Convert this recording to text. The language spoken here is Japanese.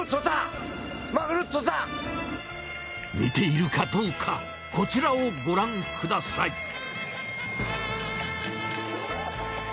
似ているかどうかこちらをご覧ください。